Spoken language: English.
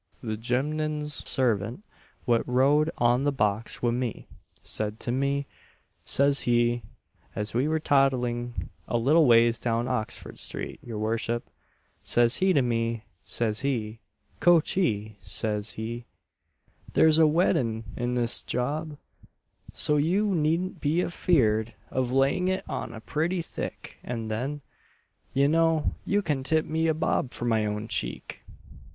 The gemman's sarvent what rode on the box wi' me, said to me, says he, as we were toddling a little ways down Oxford street, your worship, says he to me, says he, 'Coachee,' says he, 'there's a weddun (wedding) in this job, so you needn't be afeard of laying it on pretty thick; and then, you know, you can tip me a bob for my own cheek.'"